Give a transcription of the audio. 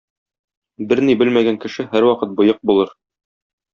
Берни белмәгән кеше һәрвакыт боек булыр.